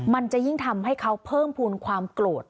มันจะยิ่งทำให้เขาเพิ่มภูมิความโกรธ